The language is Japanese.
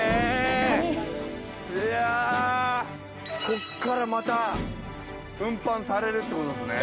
こっからまた運搬されるってことですね。